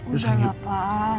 udah lah pa